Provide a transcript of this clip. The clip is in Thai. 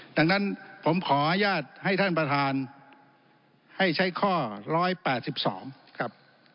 ดังนั้นผมขออนุญาตให้ท่านประธานให้ใช้ข้อ๑๘๒ครับ